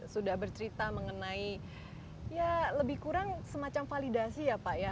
sudah bercerita mengenai ya lebih kurang semacam validasi ya pak ya